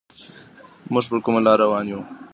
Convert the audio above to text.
موږ په کومه لاره روان يو؟